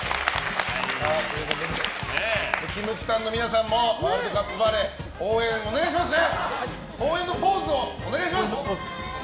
ムキムキさんの皆さんもワールドカップバレーの応援お願いしますね。